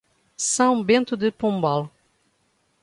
São Bento de Pombal